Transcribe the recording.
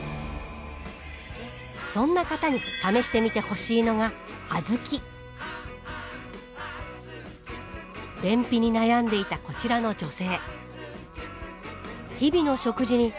そんな方に試してみてほしいのが便秘に悩んでいたこちらの女性。